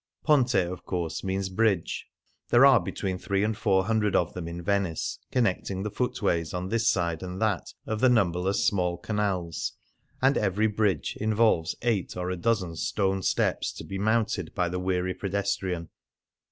Ponte, of course, means bridge ; there are between three and four hundred of them in Venice, connecting the footways on this side and that of the numberless small canals, and every bridge involves eight or a dozen stone 83 Things Seen in Venice steps to be mounted by the weary pedestrian.